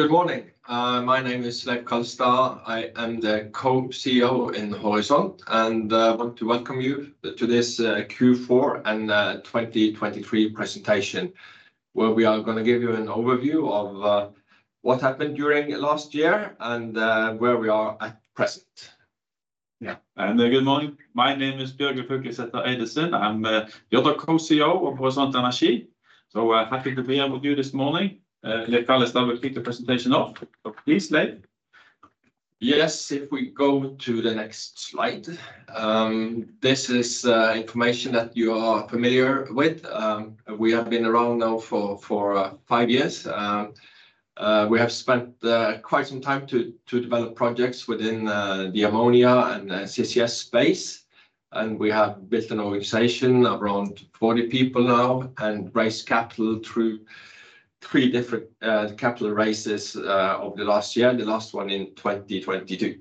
Good morning. My name is Leiv Kallestad. I am the Co-CEO in Horisont Energi, and want to welcome you to this Q4 and 2023 presentation, where we are going to give you an overview of what happened during last year and where we are at present. Yeah, good morning. My name is Bjørgulf Haukelidsæter Eidesen. I'm the other Co-CEO of Horisont Energi, so happy to be here with you this morning. Leiv Kallestad, we'll kick the presentation off, so please, Leiv. Yes, if we go to the next slide, this is information that you are familiar with. We have been around now for five years. We have spent quite some time to develop projects within the ammonia and CCS space, and we have built an organization of around 40 people now and raised capital through three different capital raises, over the last year, the last one in 2022.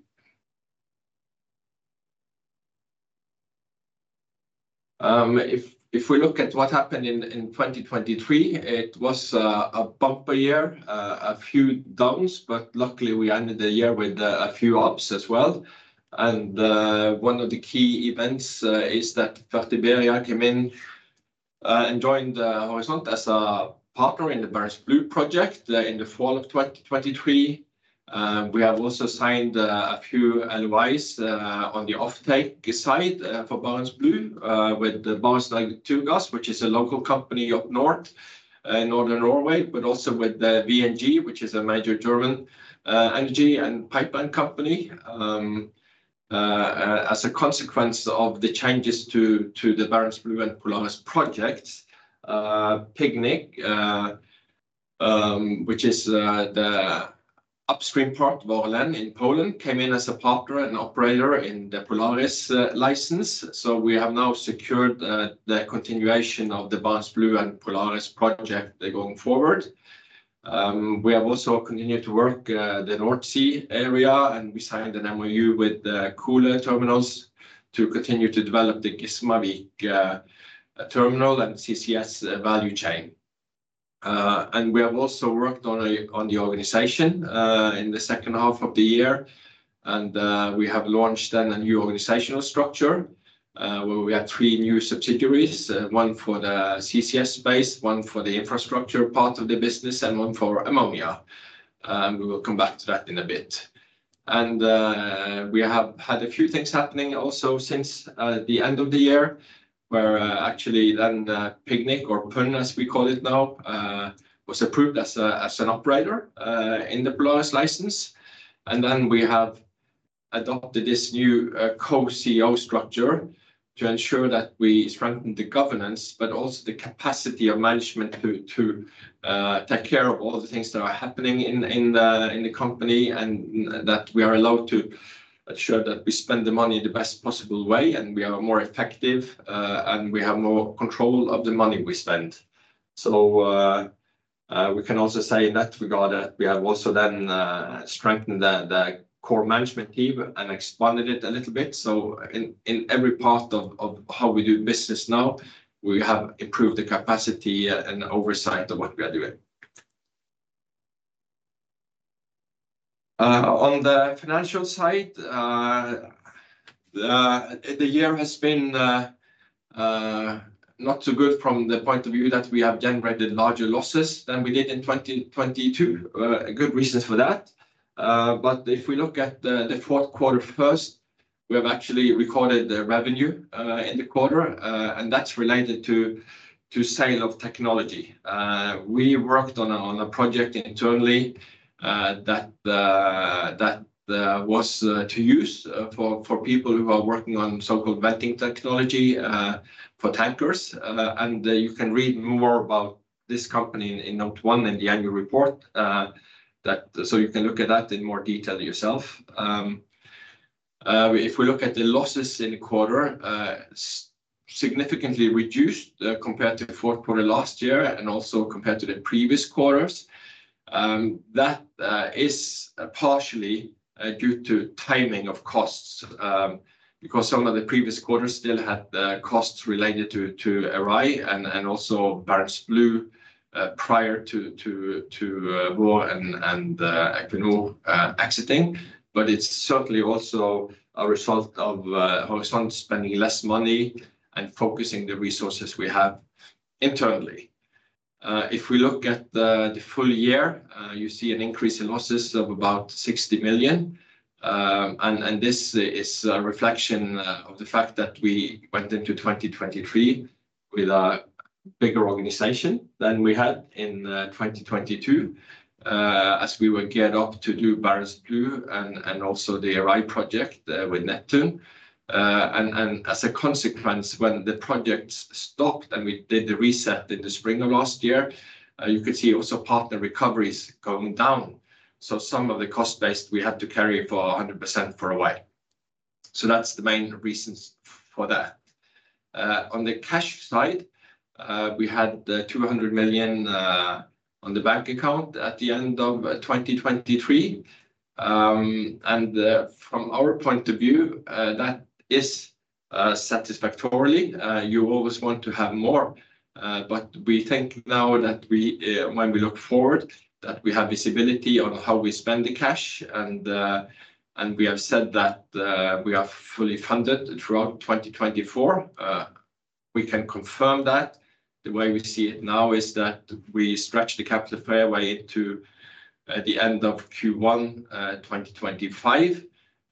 If we look at what happened in 2023, it was a bumper year, a few downs, but luckily we ended the year with a few ups as well. One of the key events is that Fertiberia came in and joined Horisont as a partner in the Barents Blue project, in the fall of 2023. We have also signed a few LOIs on the offtake side for Barents Blue with Barents NaturGass, which is a local company up north in northern Norway, but also with VNG, which is a major German energy and pipeline company, as a consequence of the changes to the Barents Blue and Polaris projects. PGNiG, which is the upstream part of Orlen in Poland, came in as a partner and operator in the Polaris license, so we have now secured the continuation of the Barents Blue and Polaris project going forward. We have also continued to work the North Sea area, and we signed an MOU with Koole Terminals to continue to develop the Gismarvik terminal and CCS value chain. And we have also worked on the organization in the second half of the year, and we have launched then a new organizational structure, where we have three new subsidiaries, one for the CCS space, one for the infrastructure part of the business, and one for ammonia. We will come back to that in a bit. And we have had a few things happening also since the end of the year, where actually then PGNiG, or PUN as we call it now, was approved as an operator in the Polaris license. Then we have adopted this new Co-CEO structure to ensure that we strengthen the governance, but also the capacity of management to take care of all the things that are happening in the company and that we are allowed to ensure that we spend the money the best possible way, and we are more effective, and we have more control of the money we spend. So, we can also say in that regard that we have also then strengthened the core management team and expanded it a little bit. So in every part of how we do business now, we have improved the capacity and oversight of what we are doing. On the financial side, the year has been not so good from the point of view that we have generated larger losses than we did in 2022. Good reasons for that. But if we look at the fourth quarter first, we have actually recorded revenue in the quarter, and that's related to sale of technology. We worked on a project internally that was to use for people who are working on so-called venting technology for tankers. And you can read more about this company in note one in the annual report, that so you can look at that in more detail yourself. If we look at the losses in the quarter significantly reduced compared to the fourth quarter last year and also compared to the previous quarters. That is partially due to timing of costs, because some of the previous quarters still had costs related to Errai and also Barents Blue, prior to Vår Energi and Equinor exiting. But it's certainly also a result of Horisont spending less money and focusing the resources we have internally. If we look at the full year, you see an increase in losses of about 60 million. And this is a reflection of the fact that we went into 2023 with a bigger organization than we had in 2022, as we were geared up to do Barents Blue and also the Errai project with Neptune. And as a consequence, when the projects stopped and we did the reset in the spring of last year, you could see also partner recoveries going down. So some of the cost base we had to carry for 100% for a while. So that's the main reasons for that. On the cash side, we had 200 million on the bank account at the end of 2023. And from our point of view, that is satisfactory. You always want to have more, but we think now that we, when we look forward, that we have visibility on how we spend the cash. And, and we have said that, we are fully funded throughout 2024. We can confirm that. The way we see it now is that we stretch the capital fairway into the end of Q1, 2025.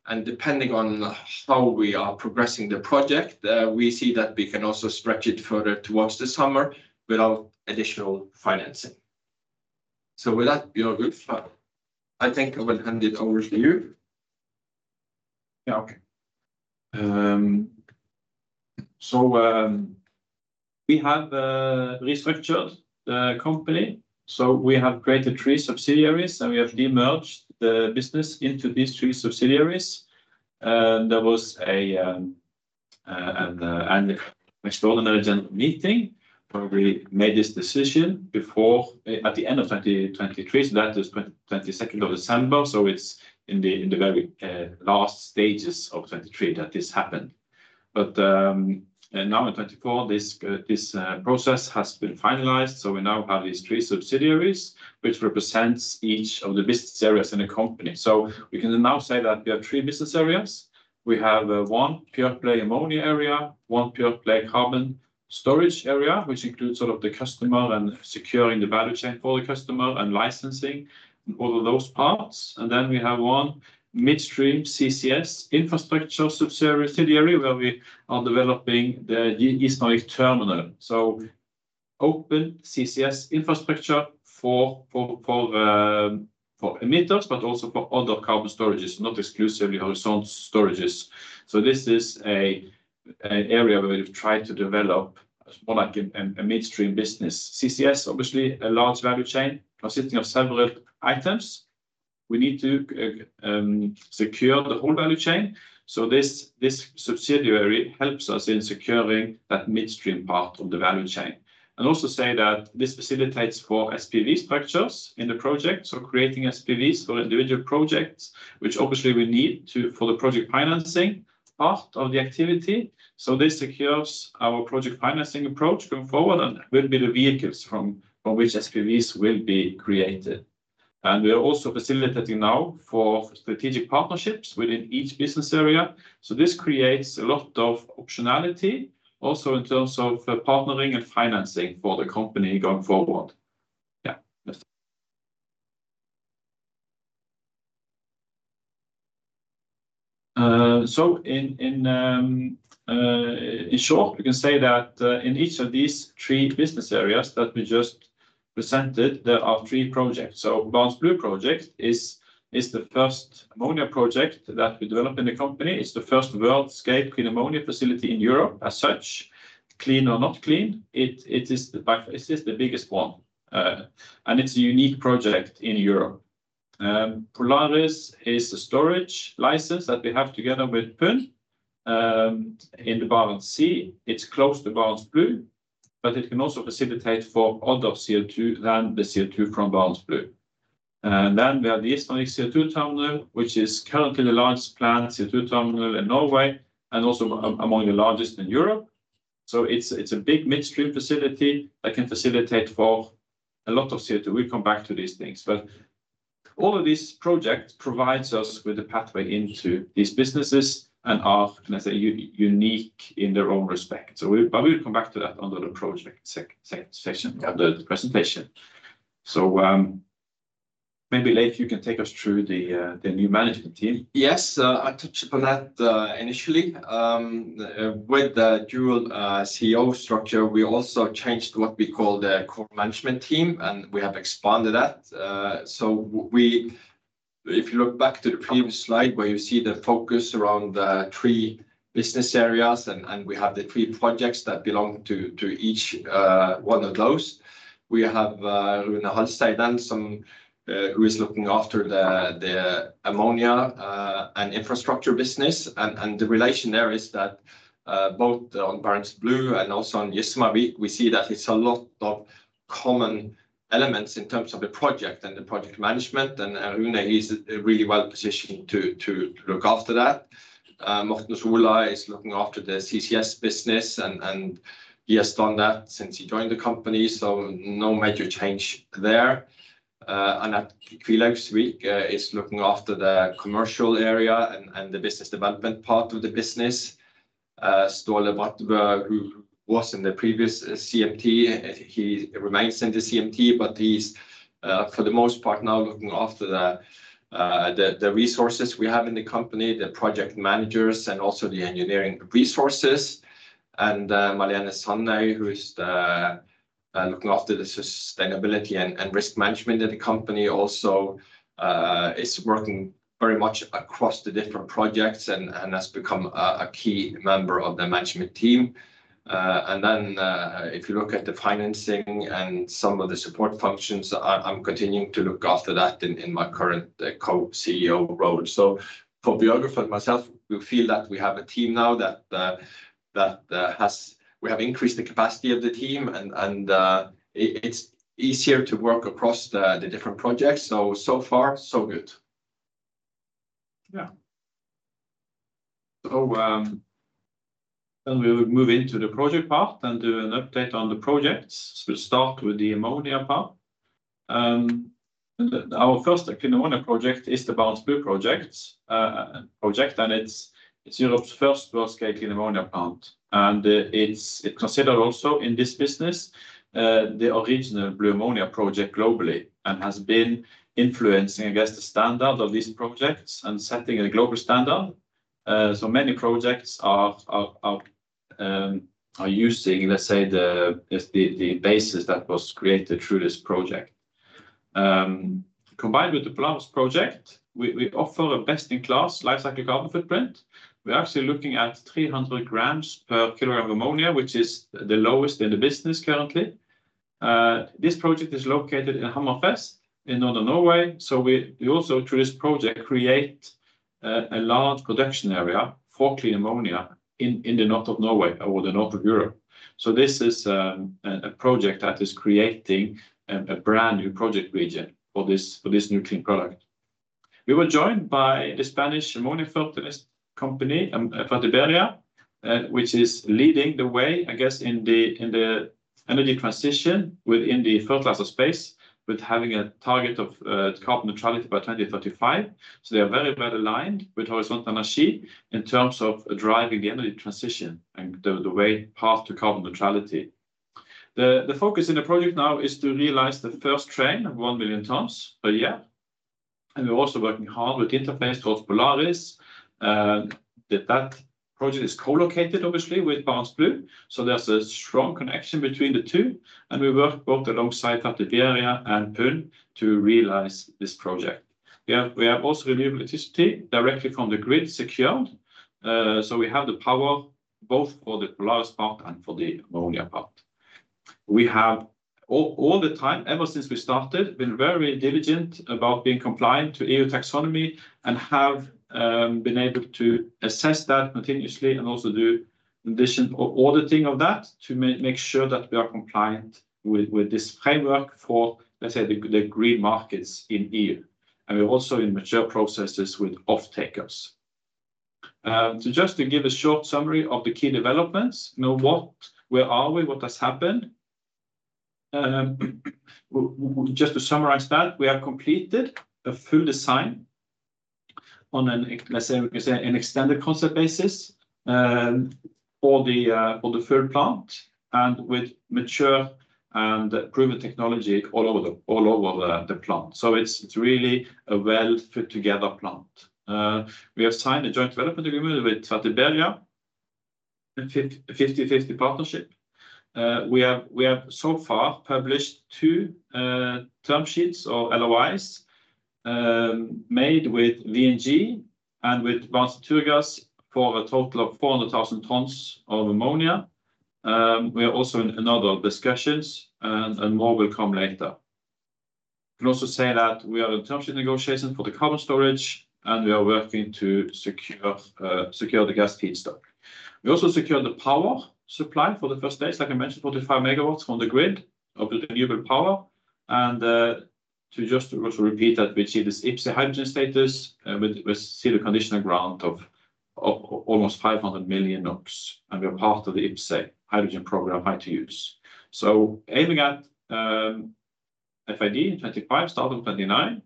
And depending on how we are progressing the project, we see that we can also stretch it further towards the summer without additional financing. So with that, Bjørgulf, I think I will hand it over to you. Yeah, okay. So we have restructured the company. So we have created three subsidiaries, and we have demerged the business into these three subsidiaries. And there was an extraordinary and a general meeting where we made this decision before, at the end of 2023. So that is 22nd of December. So it's in the very last stages of 2023 that this happened. But now in 2024, this process has been finalized. So we now have these three subsidiaries, which represents each of the business areas in the company. So we can now say that we have three business areas. We have one pure play ammonia area, one pure play carbon storage area, which includes sort of the customer and securing the value chain for the customer and licensing and all of those parts. Then we have one midstream CCS infrastructure subsidiary where we are developing the East Norwegian Terminal. So open CCS infrastructure for emitters, but also for other carbon storages, not exclusively Horisont storages. So this is an area where we've tried to develop more like a midstream business. CCS, obviously, a large value chain, consisting of several items. We need to secure the whole value chain. So this subsidiary helps us in securing that midstream part of the value chain. And also say that this facilitates for SPV structures in the project. So creating SPVs for individual projects, which obviously we need to for the project financing part of the activity. So this secures our project financing approach going forward and will be the vehicles from which SPVs will be created. We are also facilitating now for strategic partnerships within each business area. So this creates a lot of optionality, also in terms of partnering and financing for the company going forward. Yeah, so in short, we can say that in each of these three business areas that we just presented, there are three projects. So Barents Blue project is the first ammonia project that we develop in the company. It's the first world-scale clean ammonia facility in Europe as such. Clean or not clean, it is the biggest one, and it's a unique project in Europe. Polaris is a storage license that we have together with PUN, in the Barents Sea. It's close to Barents Blue, but it can also facilitate for other CO2 than the CO2 from Barents Blue. And then we have the Haugaland CO2 Terminal, which is currently the largest planned CO2 terminal in Norway and also among the largest in Europe. So it's, it's a big midstream facility that can facilitate for a lot of CO2. We'll come back to these things, but all of these projects provide us with the pathway into these businesses and are, can I say, unique in their own respect. So we, but we'll come back to that under the project section of the presentation. So, maybe Leiv, you can take us through the, the new management team. Yes, I touched upon that, initially. With the dual CEO structure, we also changed what we call the core management team, and we have expanded that. So we, if you look back to the previous slide where you see the focus around the three business areas and, and we have the three projects that belong to, to each, one of those, we have, Rune Halseid, who is looking after the, the ammonia, and infrastructure business. And, and the relation there is that, both on Barents Blue and also on Gismarvik, we see that it's a lot of common elements in terms of the project and the project management. And Rune, he's really well positioned to, to look after that. Morten Solå is looking after the CCS business and, and he has done that since he joined the company. So no major change there. Anette Kvilhaugsvik is looking after the commercial area and the business development part of the business. Ståle Brattebø, who was in the previous CMT, he remains in the CMT, but he's, for the most part now looking after the resources we have in the company, the project managers, and also the engineering resources. Malene Sandøy, who's looking after the sustainability and risk management in the company, also is working very much across the different projects and has become a key member of the management team. Then, if you look at the financing and some of the support functions, I'm continuing to look after that in my current Co-CEO role. So, for Bjørgulf and myself, we feel that we have a team now that we have increased the capacity of the team, and it's easier to work across the different projects. So far, so good. Yeah. So, then we will move into the project part and do an update on the projects. So we'll start with the ammonia part. Our first clean ammonia project is the Barents Blue project, and it's Europe's first world-scale clean ammonia plant. It's considered also in this business the original blue ammonia project globally and has been influencing, I guess, the standard of these projects and setting a global standard. So many projects are using, let's say, the basis that was created through this project. Combined with the Polaris project, we offer a best-in-class life cycle carbon footprint. We're actually looking at 300 grams per kilogram of ammonia, which is the lowest in the business currently. This project is located in Hammerfest in northern Norway. So we also through this project create a large production area for clean ammonia in the north of Norway or the north of Europe. So this is a project that is creating a brand new project region for this new clean product. We were joined by the Spanish ammonia fertilizer company, Fertiberia, which is leading the way, I guess, in the energy transition within the fertilizer space with having a target of carbon neutrality by 2035. So they are very, very aligned with Horisont Energi in terms of driving the energy transition and the way path to carbon neutrality. The focus in the project now is to realize the first train of 1 million tons per year. And we're also working hard with the interface towards Polaris. That project is co-located, obviously, with Barents Blue. So there's a strong connection between the two. And we work both alongside Fertiberia and PUN to realize this project. We have also renewable electricity directly from the grid secured. So we have the power both for the Polaris part and for the ammonia part. We have all the time, ever since we started, been very diligent about being compliant to EU Taxonomy and have been able to assess that continuously and also do additional auditing of that to make sure that we are compliant with this framework for, let's say, the green markets in EU. And we're also in mature processes with off-takers. So just to give a short summary of the key developments, you know what, where are we, what has happened. Just to summarize that, we have completed a full design on an, let's say, we can say an extended concept basis, for the, for the third plant and with mature and proven technology all over the plant. So it's, it's really a well-fit-together plant. We have signed a joint development agreement with Fertiberia, a 50/50 partnership. We have so far published two term sheets or LOIs, made with VNG and with Barents NaturGass for a total of 400,000 tons of ammonia. We are also in other discussions and more will come later. You can also say that we are in term sheet negotiations for the carbon storage and we are working to secure the gas feedstock. We also secured the power supply for the first days, like I mentioned, 45 MW from the grid of the renewable power. To just also repeat that, we achieved this IPCEI hydrogen status with a sealed conditional grant of almost 500 million NOK. And we are part of the IPCEI hydrogen program Hy2Use. So aiming at FID in 2025, starting 2029,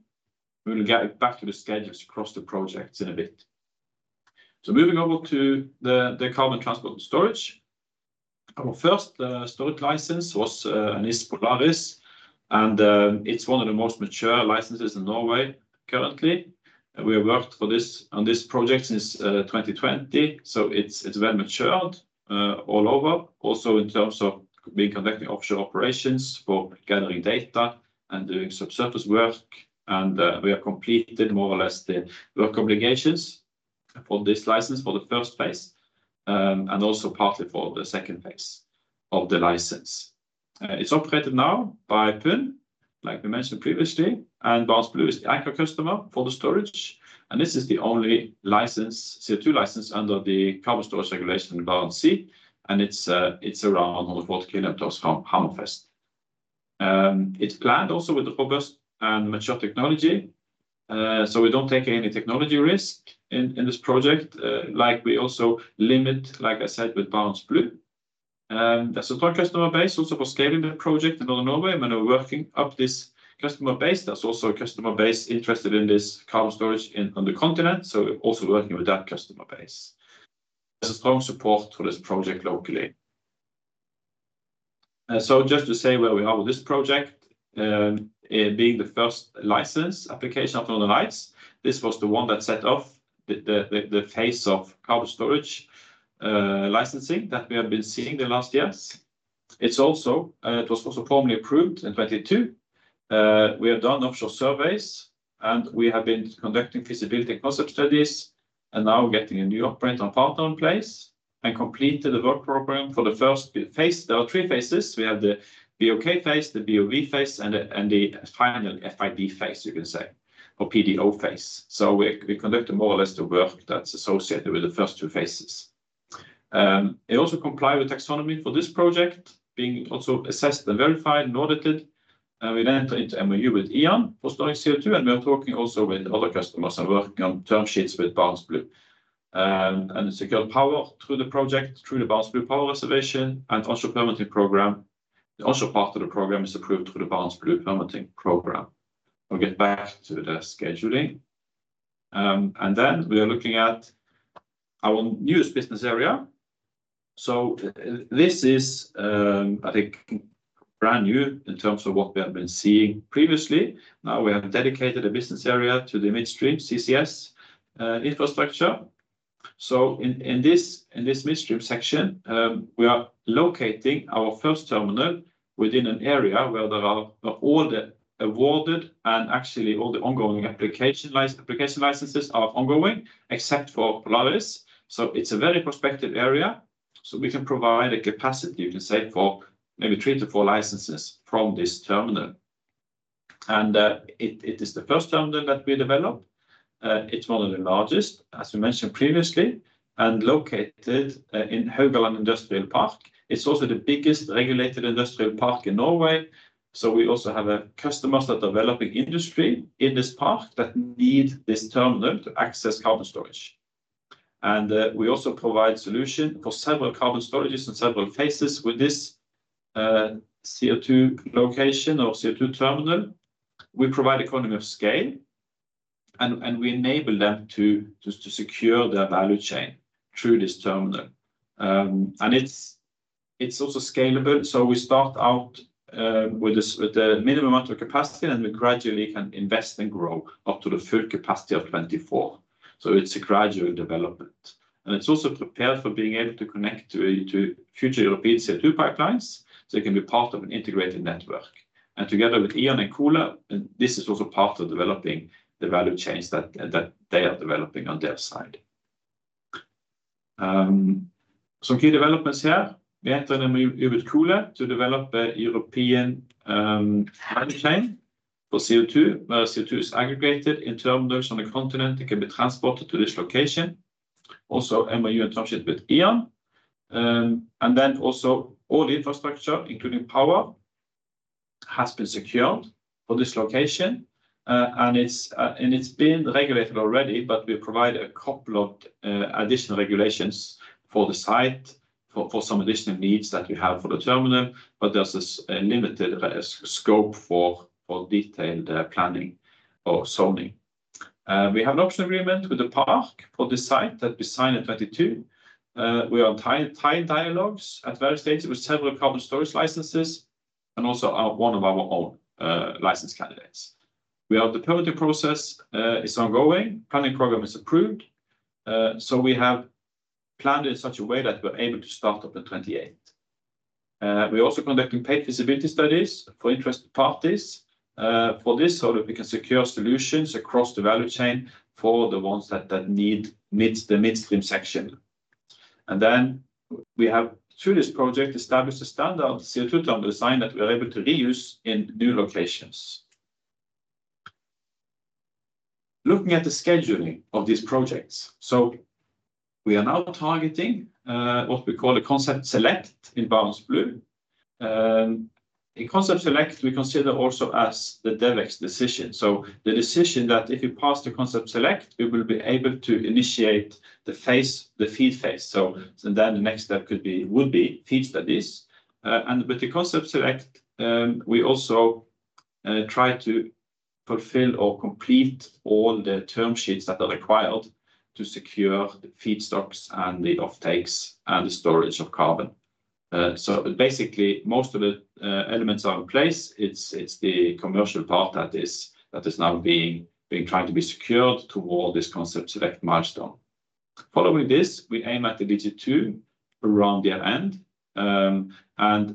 we will get back to the schedules across the projects in a bit. So moving over to the carbon transport and storage. Our first storage license was the Polaris. And it's one of the most mature licenses in Norway currently. We have worked on this project since 2020. So it's well matured all over, also in terms of conducting offshore operations for gathering data and doing subsurface work. And we have completed more or less the work obligations for this license for the first phase, and also partly for the second phase of the license. It's operated now by PUN, like we mentioned previously, and Barents Blue is the anchor customer for the storage. This is the only license, CO2 license under the carbon storage regulation in Barents Sea. And it's around 140 km from Hammerfest. It's planned also with the robust and mature technology. So we don't take any technology risk in this project, like we also limit, like I said, with Barents Blue. There's a strong customer base also for scaling the project in Northern Norway. I mean, we're working up this customer base. There's also a customer base interested in this carbon storage on the continent. So also working with that customer base. There's a strong support for this project locally. So just to say where we are with this project, being the first license application after all the lights, this was the one that set off the phase of carbon storage licensing that we have been seeing the last years. It's also, it was also formally approved in 2022. We have done offshore surveys and we have been conducting feasibility and concept studies and now getting a new operator and partner in place and completed the work program for the first phase. There are three phases. We have the BOK phase, the BOV phase, and the final FID phase, you can say, or PDO phase. So we conducted more or less the work that's associated with the first two phases. It also complied with taxonomy for this project, being also assessed and verified and audited. We enter into MOU with E.ON for storing CO2. We are talking also with other customers and working on term sheets with Barents Blue. It secured power through the project, through the Barents Blue Power Reservation and offshore permitting program. The offshore part of the program is approved through the Barents Blue Permitting Program. I'll get back to the scheduling. Then we are looking at our newest business area. So this is, I think, brand new in terms of what we have been seeing previously. Now we have dedicated a business area to the midstream CCS infrastructure. So in this midstream section, we are locating our first terminal within an area where there are all the awarded and actually all the ongoing application licenses are ongoing except for Polaris. So it's a very prospective area. So we can provide a capacity, you can say, for maybe 3-4 licenses from this terminal. It is the first terminal that we develop. It's one of the largest, as we mentioned previously, and located in Haugaland Næringspark. It's also the biggest regulated industrial park in Norway. So we also have customers that are developing industry in this park that need this terminal to access carbon storage. We also provide solution for several carbon storages and several phases with this CO2 location or CO2 terminal. We provide economy of scale and we enable them to secure their value chain through this terminal. It's also scalable. So we start out with this with the minimum amount of capacity and we gradually can invest and grow up to the full capacity of 2024. So it's a gradual development. It's also prepared for being able to connect to future European CO2 pipelines so it can be part of an integrated network. Together with E.ON and Koole, this is also part of developing the value chain that they are developing on their side. Some key developments here. We enter in MOU with Koole to develop a European value chain for CO2 where CO2 is aggregated in terminals on the continent. It can be transported to this location. Also MOU and term sheet with E.ON. And then also all the infrastructure, including power, has been secured for this location. And it's been regulated already, but we provide a couple of additional regulations for the site for some additional needs that we have for the terminal. But there's this limited scope for detailed planning or zoning. We have an optional agreement with the park for the site that we signed in 2022. We are in tight, tight dialogues at various stages with several carbon storage licenses and also are one of our own license candidates. We have the permitting process is ongoing. Planning program is approved. So we have planned it in such a way that we're able to start up in 2028. We are also conducting paid feasibility studies for interested parties for this so that we can secure solutions across the value chain for the ones that need the midstream section. And then we have through this project established a standard CO2 terminal design that we are able to reuse in new locations. Looking at the scheduling of these projects. So we are now targeting what we call a Concept Select in Barents Blue. In Concept Select, we consider also as the DEVEX decision. So the decision that if you pass the Concept Select, we will be able to initiate the phase, the FEED phase. So, and then the next step could be, would be FEED studies. And with the Concept Select, we also try to fulfill or complete all the term sheets that are required to secure the feedstocks and the offtakes and the storage of carbon. So basically most of the elements are in place. It's, it's the commercial part that is, that is now being, being trying to be secured toward this Concept Select milestone. Following this, we aim at the DG2 around the year end. And,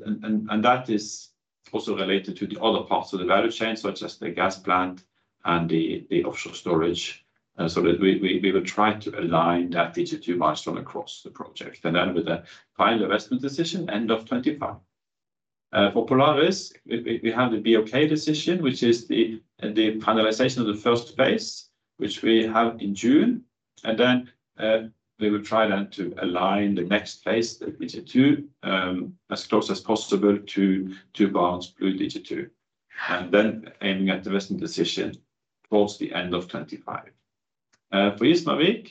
and, and that is also related to the other parts of the value chain, such as the gas plant and the, the offshore storage. so that we will try to align that DG2 milestone across the project. And then with the final investment decision, end of 2025. For Polaris, we have the BOK decision, which is the finalization of the first phase, which we have in June. And then, we will try then to align the next phase, the DG2, as close as possible to Barents Blue DG2. And then aiming at the investment decision towards the end of 2025. For Haugaland CO2 Terminal,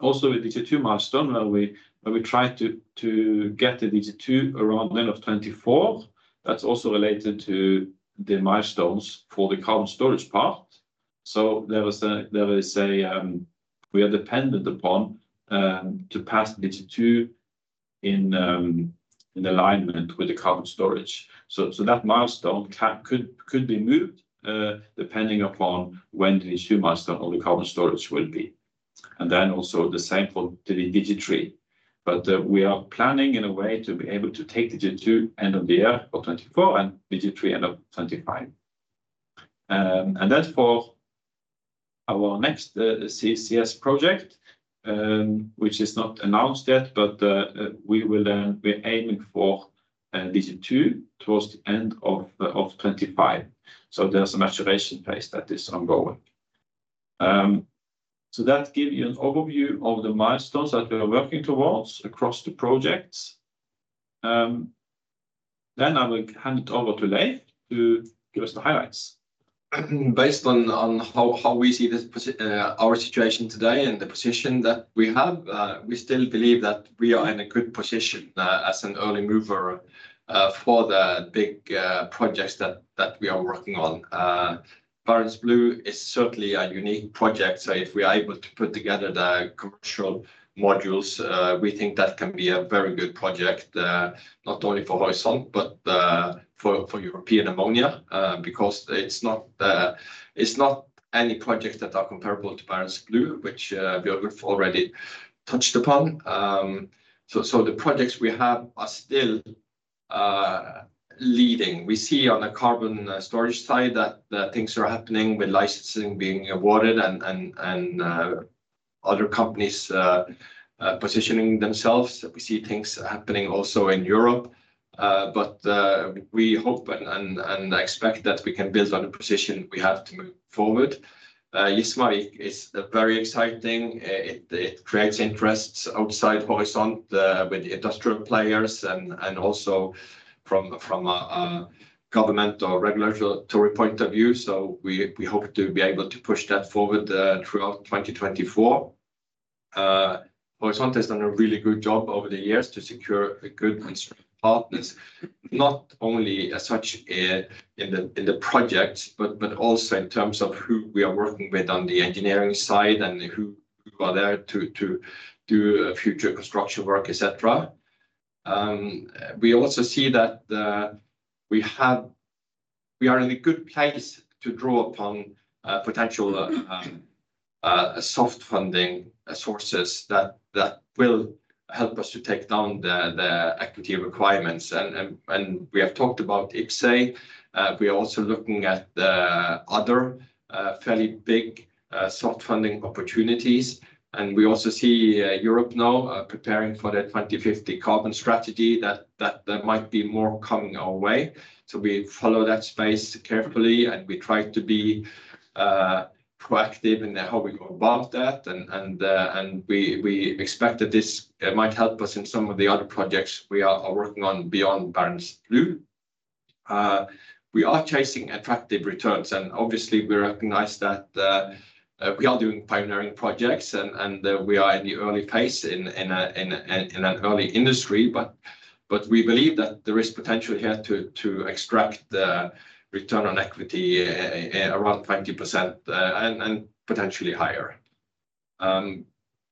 also with DG2 milestone where we try to get the DG2 around the end of 2024. That's also related to the milestones for the carbon storage part. So we are dependent upon to pass DG2 in alignment with the carbon storage. So that milestone could be moved, depending upon when the DG2 milestone of the carbon storage will be. And then also the same for the DG3. But we are planning in a way to be able to take DG2 end of the year or 2024 and DG3 end of 2025. And that's for our next CCS project, which is not announced yet, but we will then; we're aiming for DG2 towards the end of 2025. So there's a maturation phase that is ongoing. So that gives you an overview of the milestones that we are working towards across the projects. Then I will hand it over to Leiv to give us the highlights. Based on how we see this, our situation today and the position that we have, we still believe that we are in a good position, as an early mover, for the big projects that we are working on. Barents Blue is certainly a unique project. So if we are able to put together the commercial modules, we think that can be a very good project, not only for Horisont, but for European ammonia, because it's not any projects that are comparable to Barents Blue, which we already touched upon. So the projects we have are still leading. We see on the carbon storage side that things are happening with licensing being awarded and other companies positioning themselves. We see things happening also in Europe. but we hope and expect that we can build on the position we have to move forward. East Norwegian is very exciting. It creates interests outside Horisont, with industrial players and also from a government or regulatory point of view. So we hope to be able to push that forward throughout 2024. Horisont has done a really good job over the years to secure good and strong partners, not only as such, in the projects, but also in terms of who we are working with on the engineering side and who are there to do future construction work, etc. We also see that we are in a good place to draw upon potential soft funding sources that will help us to take down the equity requirements. And we have talked about IPCEI. We are also looking at other fairly big soft funding opportunities. And we also see Europe now preparing for the 2050 carbon strategy that there might be more coming our way. So we follow that space carefully and we try to be proactive in how we go about that. And we expect that this might help us in some of the other projects we are working on beyond Barents Blue. We are chasing attractive returns. And obviously we recognize that we are doing pioneering projects and we are in the early phase in an early industry. But we believe that there is potential here to extract the return on equity around 20% and potentially higher.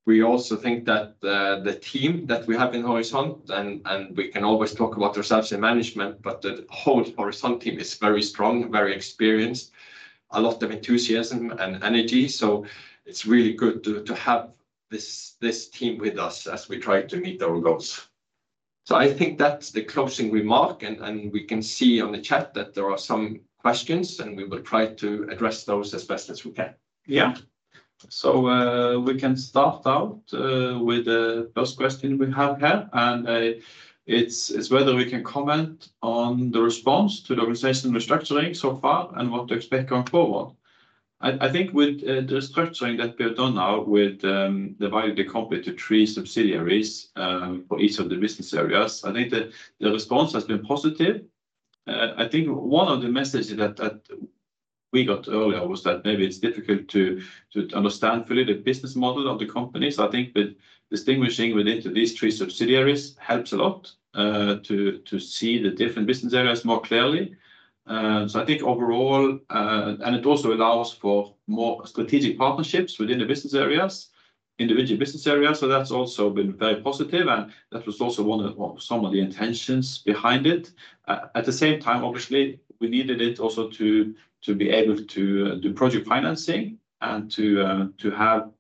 We also think that the team that we have in Horizon, and we can always talk about ourselves in management, but the whole Horizon team is very strong, very experienced, a lot of enthusiasm and energy. So it's really good to have this team with us as we try to meet our goals. So I think that's the closing remark. And we can see on the chat that there are some questions and we will try to address those as best as we can. Yeah. So, we can start out with the first question we have here. And it's whether we can comment on the response to the organization restructuring so far and what to expect going forward. I think with the restructuring that we have done now with the value of the company to three subsidiaries for each of the business areas, I think the response has been positive. I think one of the messages that we got earlier was that maybe it's difficult to understand fully the business model of the company. So I think that distinguishing within these three subsidiaries helps a lot to see the different business areas more clearly. So I think overall, and it also allows for more strategic partnerships within the business areas, individual business areas. So that's also been very positive. That was also one of some of the intentions behind it. At the same time, obviously we needed it also to be able to do project financing and to have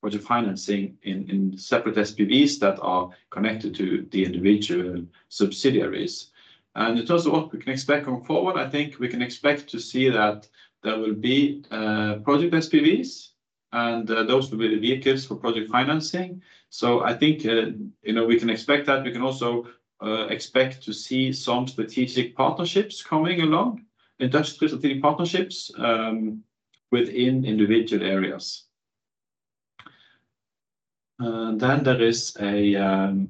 project financing in separate SPVs that are connected to the individual subsidiaries. In terms of what we can expect going forward, I think we can expect to see that there will be project SPVs and those will be the vehicles for project financing. I think, you know, we can expect that. We can also expect to see some strategic partnerships coming along, industrial partnerships, within individual areas. Then there is a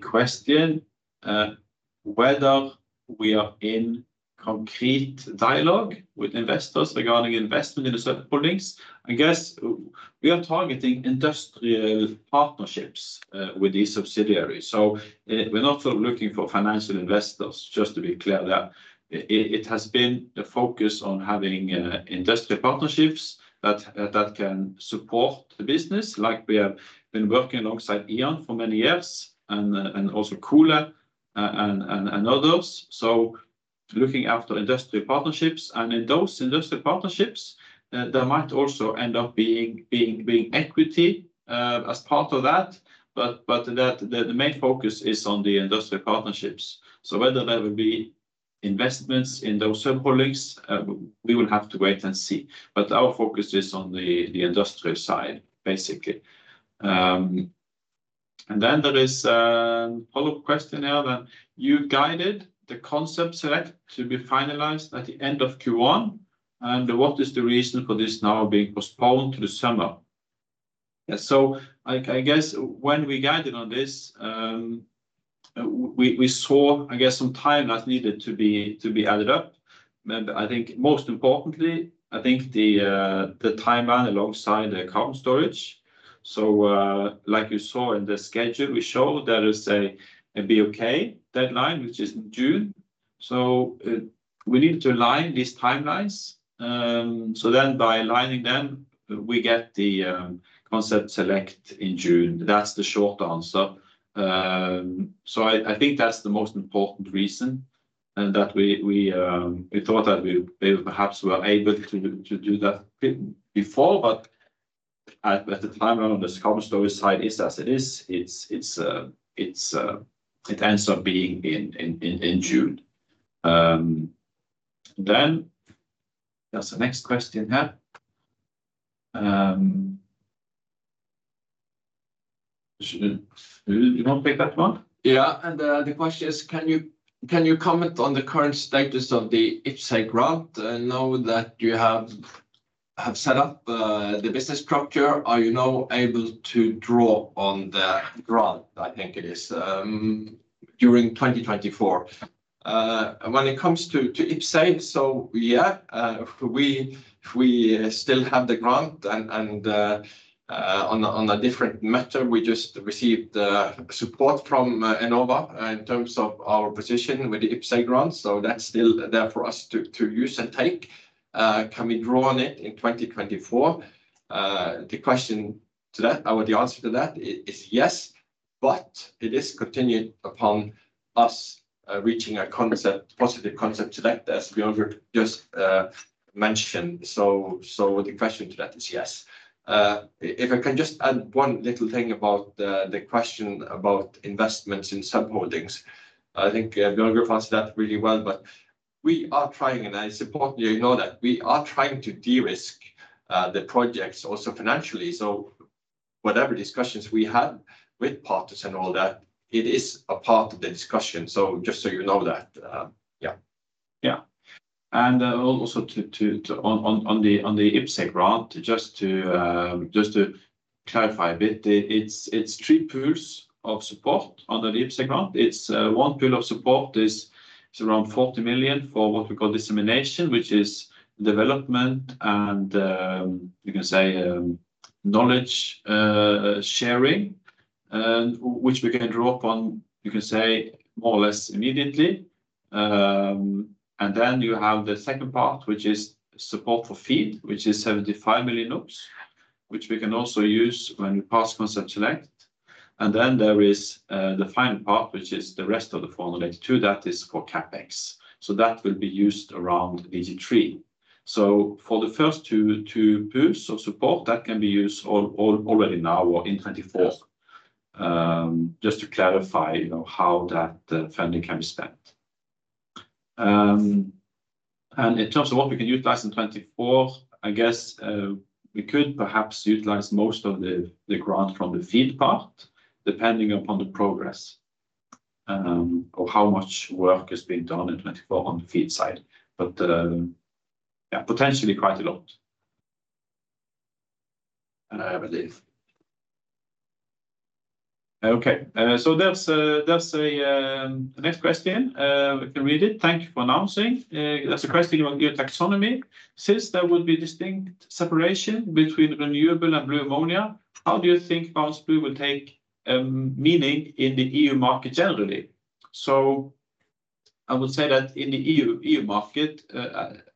question whether we are in concrete dialogue with investors regarding investment in the certain holdings. I guess we are targeting industrial partnerships with these subsidiaries. So we're not sort of looking for financial investors, just to be clear that it has been the focus on having industrial partnerships that can support the business. Like we have been working alongside E.ON for many years and also Koole and others. So looking after industrial partnerships. And in those industrial partnerships, there might also end up being equity as part of that. But the main focus is on the industrial partnerships. So whether there will be investments in those certain holdings, we will have to wait and see. But our focus is on the industrial side, basically. And then there is a follow-up question here. Then you guided the Concept Select to be finalized at the end of Q1. And what is the reason for this now being postponed to the summer? Yeah. So I, I guess when we guided on this, we, we saw, I guess, some time that needed to be, to be added up. Maybe I think most importantly, I think the, the timeline alongside the carbon storage. So, like you saw in the schedule, we showed there is a, a BOK deadline, which is in June. So, we needed to align these timelines. So then by aligning them, we get the, Concept Select in June. That's the short answer. So I, I think that's the most important reason and that we, we, we thought that we, we perhaps were able to, to do that before. But at, at the timeline on this carbon storage side is as it is. It's, it's, it's, it ends up being in, in, in, in June. Then there's the next question here. You want to take that one? Yeah. The question is, can you comment on the current status of the IPCEI grant? I know that you have set up the business structure. Are you now able to draw on the grant? I think it is during 2024 when it comes to IPCEI, so yeah, if we still have the grant and, on a different matter, we just received the support from Enova in terms of our position with the IPCEI grant. So that's still there for us to use and take. Can we draw on it in 2024? The question to that, I would answer to that is yes, but it is continued upon us reaching a positive concept select as Bjørgulf just mentioned. So the question to that is yes. If I can just add one little thing about the question about investments in subholdings, I think Bjørgulf answered that really well. But we are trying, and I support you, you know that we are trying to de-risk the projects also financially. So whatever discussions we had with partners and all that, it is a part of the discussion. So just so you know that, yeah. Yeah. And also on the IPCEI grant, just to clarify a bit, it's 3 pools of support under the IPCEI grant. It's 1 pool of support is around 40 million for what we call dissemination, which is development and, you can say, knowledge sharing, and which we can draw upon, you can say more or less immediately. And then you have the second part, which is support for FEED, which is 75 million, which we can also use when we pass Concept Select. And then there is the final part, which is the rest of the 402, that is for CapEx. So that will be used around DG3. So for the first two, two pools of support, that can be used all, all already now or in 2024. Just to clarify, you know, how that funding can be spent. And in terms of what we can utilize in 2024, I guess, we could perhaps utilize most of the, the grant from the FEED part depending upon the progress, or how much work has been done in 2024 on the FEED side. But, yeah, potentially quite a lot. I believe. Okay. So there's a the next question. We can read it. Thank you for announcing. There's a question about EU taxonomy. Since there would be distinct separation between renewable and blue ammonia, how do you think Barents Blue will take, meaning in the EU market generally? So I would say that in the EU, EU market,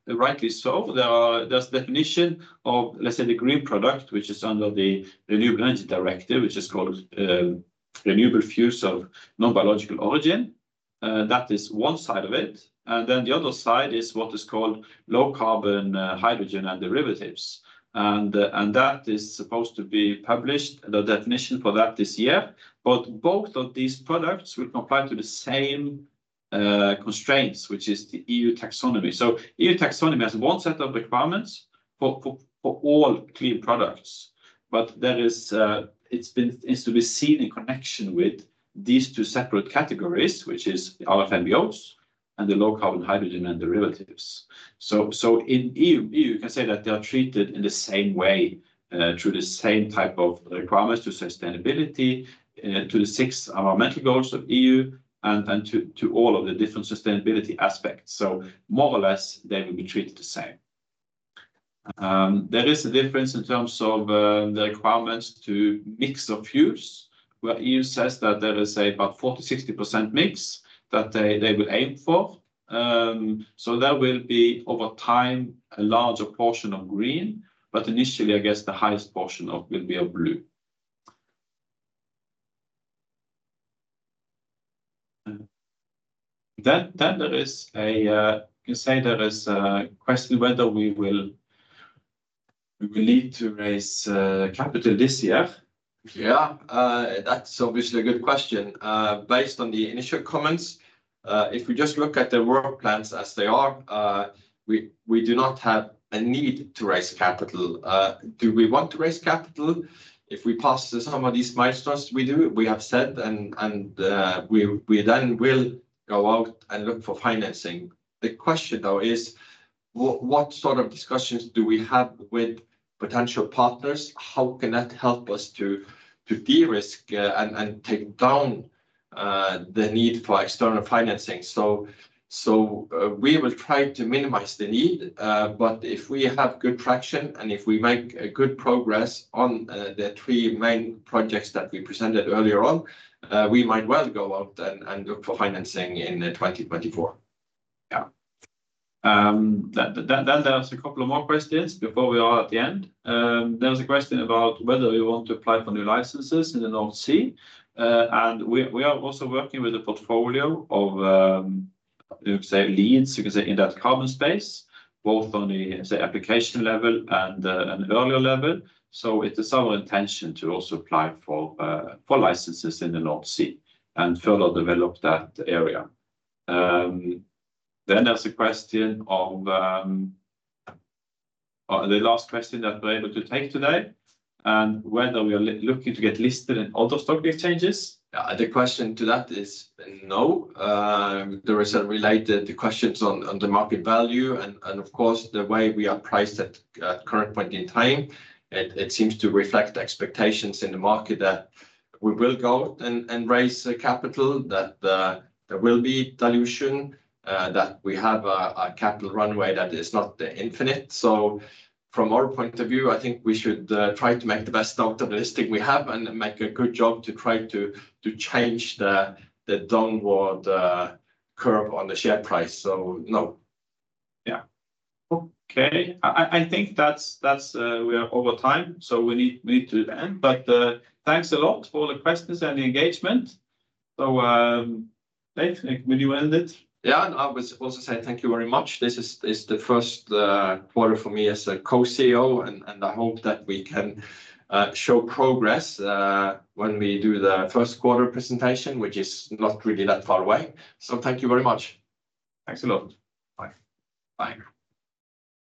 rightly so, there is a definition of, let's say, the green product, which is under the Renewable Energy Directive, which is called, Renewable Fuels of Non-Biological Origin. That is one side of it. And then the other side is what is called Low Carbon Hydrogen and Derivatives. And that is supposed to be published, the definition for that this year. But both of these products will comply to the same, constraints, which is the EU Taxonomy. So EU Taxonomy has one set of requirements for for all clean products. But there is, it's been, it's to be seen in connection with these two separate categories, which is RFNBOs and the Low Carbon Hydrogen and Derivatives. So, so in EU, EU you can say that they are treated in the same way, through the same type of requirements to sustainability, to the six environmental goals of EU and, and to, to all of the different sustainability aspects. So more or less they will be treated the same. There is a difference in terms of, the requirements to mix of fuels where EU says that there is, say, about 40%-60% mix that they, they will aim for. So there will be over time a larger portion of green, but initially, I guess the highest portion of will be of blue. Then there is, you can say, a question whether we will need to raise capital this year. Yeah, that's obviously a good question. Based on the initial comments, if we just look at the work plans as they are, we do not have a need to raise capital. Do we want to raise capital if we pass some of these milestones? We do. We have said, and we then will go out and look for financing. The question though is, what sort of discussions do we have with potential partners? How can that help us to de-risk and take down the need for external financing? So we will try to minimize the need. But if we have good traction and if we make good progress on the three main projects that we presented earlier on, we might well go out and look for financing in 2024. Yeah. That then there's a couple of more questions before we are at the end. There's a question about whether you want to apply for new licenses in the North Sea. And we are also working with a portfolio of, you can say leads, you can say in that carbon space, both on the, say, application level and an earlier level. So it is our intention to also apply for licenses in the North Sea and further develop that area. Then there's a question of the last question that we're able to take today and whether we are looking to get listed in other stock exchanges. Yeah. The question to that is no. There are some related questions on the market value and, of course, the way we are priced at current point in time. It seems to reflect expectations in the market that we will go out and raise capital, that there will be dilution, that we have a capital runway that is not the infinite. So from our point of view, I think we should try to make the best out of the listing we have and make a good job to try to change the downward curve on the share price. So no. Yeah. Okay. I think that's that; we are over time. So we need to end. But thanks a lot for the questions and the engagement. So, David, when you end it. Yeah. I would also say thank you very much. This is the first quarter for me as a co-CEO and I hope that we can show progress when we do the first quarter presentation, which is not really that far away. So thank you very much. Thanks a lot. Bye. Bye.